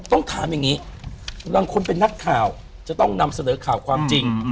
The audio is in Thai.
ต้องถามอย่างนี้บางคนเป็นนักข่าวจะต้องนำเสนอข่าวความจริง